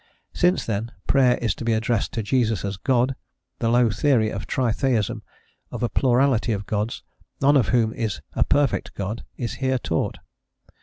Since, then, prayer is to be addressed to Jesus as God, the low theory of tri theism, of a plurality of Gods, none of whom is a perfect God, is here taught.